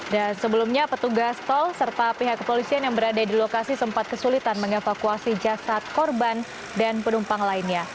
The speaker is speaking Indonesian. dan sebelumnya petugas tol serta pihak kepolisian yang berada di lokasi sempat kesulitan mengevakuasi jasad korban dan penumpang lainnya